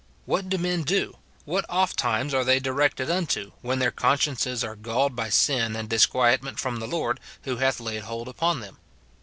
What do men do, what ofttimes are they directed unto, when their consciences are galled by sin and disquietment from the Lord, who hath laid hold upon them